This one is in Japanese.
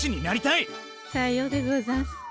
さようでござんすか。